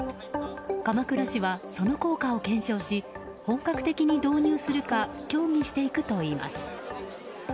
鎌倉市は、その効果を検証し本格的に導入するか協議していくといいます。